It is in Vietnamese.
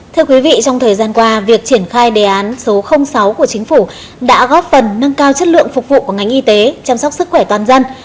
thưa quý vị trong thời gian qua việc triển khai đề án số sáu của chính phủ đã góp phần nâng cao chất lượng phục vụ của ngành y tế chăm sóc sức khỏe toàn dân